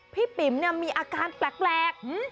ปิ๋มมีอาการแปลก